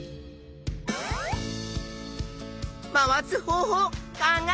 「回す方法」考え